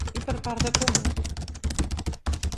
I per part de Comú?